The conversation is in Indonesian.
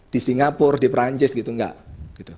di singapura di perancis gitu enggak